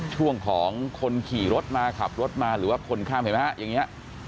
ช่วงของคนขี่รถมาขับรถมาหรือว่าคนข้ามเห็นไหมฮะอย่างนี้